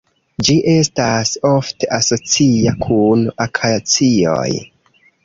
Ĝi estas ofte asocia kun akacioj.